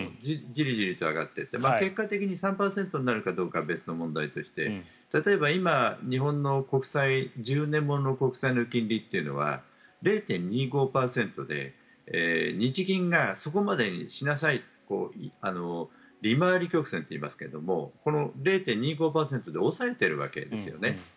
ジリジリと上がっていって結果的に３％になるかどうかは別の問題として例えば今、日本の１０年物の国債の金利というのは０．２５％で日銀がそこまでにしなさいと利回り曲線といいますけど０．２５％で抑えているわけですよね。